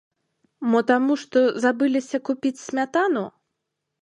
Мо таму што забыліся купіць смятану!?